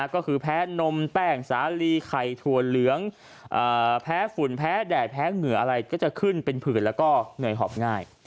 ก็คือแพ้นมแป้งสาลีไข่ถั่วเหลืองแพ้ฝุ่นแพ้แดดแพ้เหงื่ออะไรก็จะขึ้นเป็นผื่นแล้วก็เหนื่อยหอบง่าย